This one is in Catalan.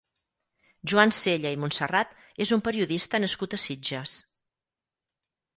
Joan Sella i Montserrat és un periodista nascut a Sitges.